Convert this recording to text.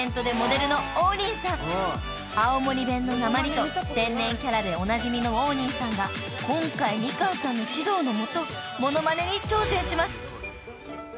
［青森弁のなまりと天然キャラでおなじみの王林さんが今回みかんさんの指導の下モノマネに挑戦します］